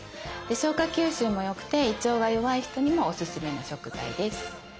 消化吸収も良くて胃腸が弱い人にもおすすめの食材です。